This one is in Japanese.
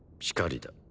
しかりだ